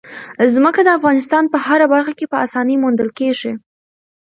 ځمکه د افغانستان په هره برخه کې په اسانۍ موندل کېږي.